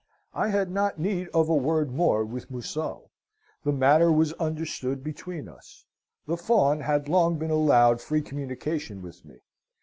I had not need of a word more with Museau; the matter was understood between us. The Fawn had long been allowed free communication with me.